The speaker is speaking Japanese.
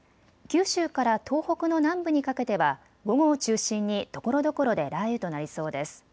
九州から東北の南部にかけては午後を中心にところどころで雷雨となりそうです。